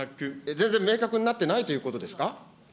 全然明確になってないということですか。